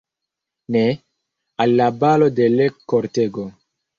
Ne; al la balo de l' kortego!